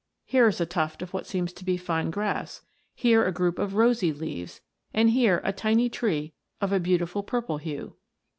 Here is a tuft of what seems to be fine grass; here a group of rosy leaves; and here a tiny tree of a beautiful purple hue.